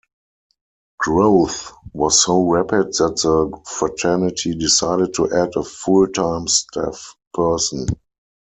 Growth was so rapid that the fraternity decided to add a full-time staff person.